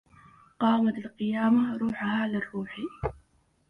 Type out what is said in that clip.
قامت قيامة روحها لرواحي